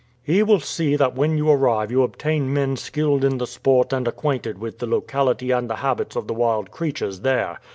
"He will see that when you arrive you obtain men skilled in the sport and acquainted with the locality and the habits of the wild creatures there.